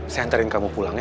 saya anterin kamu pulang ya